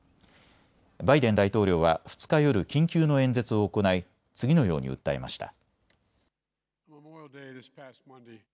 バイデン大統領は２日夜、緊急の演説を行い次のように訴えました。